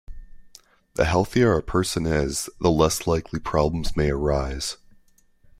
The healthier a person is, the less likely problems may arise.